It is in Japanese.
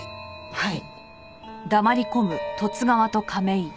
はい。